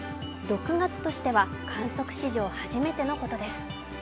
６月としては観測史上初めてのことです。